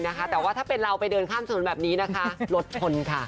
แต่ว่าถ้าเป็นเราไปเดินข้ามสวนแบบนี้นะคะรถชนค่ะ